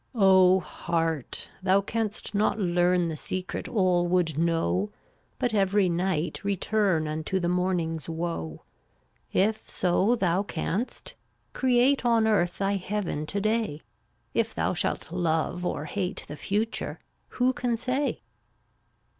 B\m$ /TSyhAY ° n > heart, thou canst not learn IV The secret all would know, (JvC/ But every night return Unto the morning's woe. If so thou canst, create On earth thy heaven to day; If thou shalt love or hate The future, who can say?